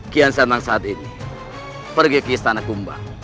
kian senang saat ini pergi ke istana kumbang